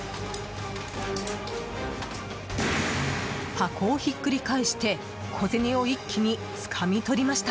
箱をひっくり返して小銭を一気につかみとりました。